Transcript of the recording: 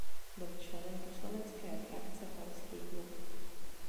Byl členem poslanecké frakce Polský klub.